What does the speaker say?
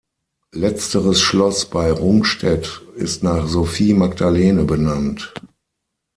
Letzteres Schloss bei Rungsted ist nach Sophie Magdalene benannt.